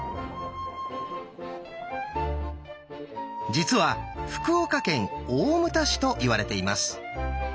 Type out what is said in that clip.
実は福岡県大牟田市といわれています。